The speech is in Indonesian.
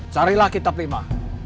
carilah kitab lima